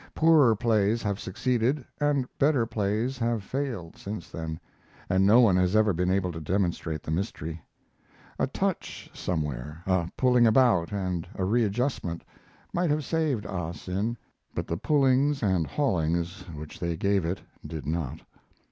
Poorer plays have succeeded and better plays have failed since then, and no one has ever been able to demonstrate the mystery. A touch somewhere, a pulling about and a readjustment, might have saved "Ali Sin," but the pullings and haulings which they gave it did not.